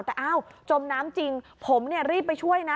แต่อ้าวจมน้ำจริงผมรีบไปช่วยนะ